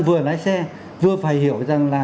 vừa lái xe vừa phải hiểu rằng là